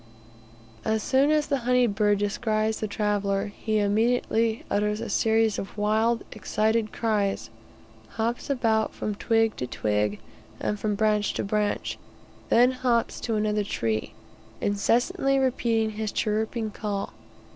As soon as the honey bird descries the traveller, he immediately utters a series of wild, excited cries, hops about from twig to twig, and from branch to branch, then hops to another tree, incessantly repeating his chirruping call.